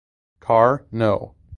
Car no.